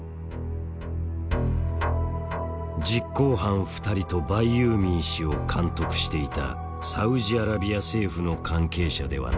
実行犯２人とバイユーミー氏を監督していたサウジアラビア政府の関係者ではないか。